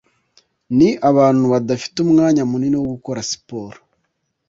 Ni abantu badafite umwanya munini wo gukora siporo